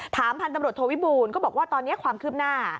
ถามพันธบรรดโทวิบูลก็บอกว่าตอนนี้ความคืบหน้า